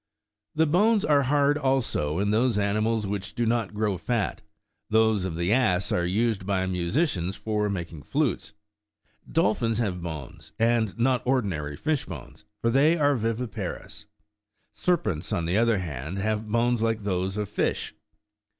The bones are hard, also, in those animals 8 which do not grow fat ; those of the ass are used by musicians for making flutes. Dolphins have bones, and not ordinary fish bones ; for they are viviparous. Serpents, on the other hand, have bones like those of fish.